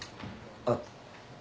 あっ。